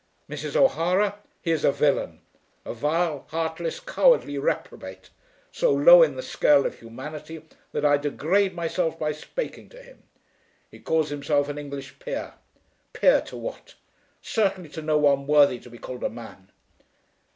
Mrs. O'Hara, he is a villain, a vile, heartless, cowardly reprobate, so low in the scale of humanity that I degrade myself by spaking to him. He calls himself an English peer! Peer to what? Certainly to no one worthy to be called a man!"